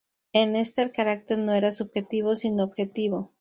En esta el carácter no era subjetivo sino objetivo.